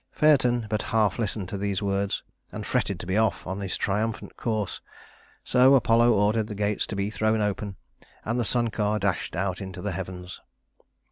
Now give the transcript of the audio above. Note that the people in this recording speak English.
Phaëton but half listened to these words, and fretted to be off on his triumphant course; so Apollo ordered the gates to be thrown open, and the sun car dashed out into the heavens.